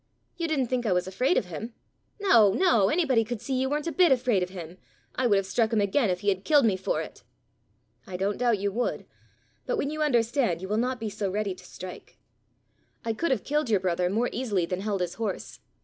You didn't think I was afraid of him?" "No, no; anybody could see you weren't a bit afraid of him. I would have struck him again if he had killed me for it!" "I don't doubt you would. But when you understand, you will not be so ready to strike. I could have killed your brother more easily than held his horse.